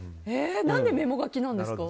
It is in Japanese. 何でメモ書きなんですか？